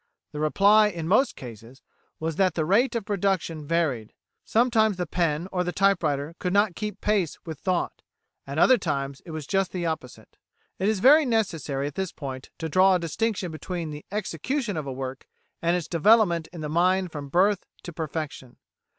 The reply in most cases was that the rate of production varied; sometimes the pen or the typewriter could not keep pace with thought; at other times it was just the opposite. It is very necessary at this point to draw a distinction between the execution of a work, and its development in the mind from birth to full perfection.